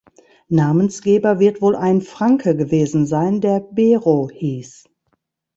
Namensgeber wird wohl ein Franke gewesen sein, der Bero hieß.